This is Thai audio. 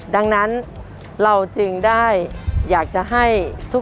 ดังนั้นเราจึงได้